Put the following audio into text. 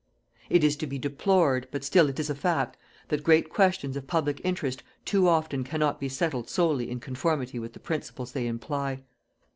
It is to be deplored, but still it is a fact, that great questions of public interest too often cannot be settled solely in conformity with the principles they imply.